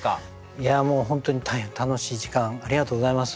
いやもう本当に大変楽しい時間ありがとうございます。